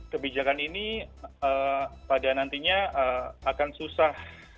kebijakan ini pada nantinya akan susah